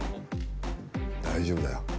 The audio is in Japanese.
大丈夫だよ